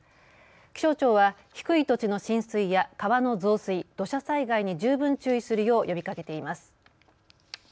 気象庁は低い土地の浸水や川の増水、土砂災害に十分注意するよう呼びかけています。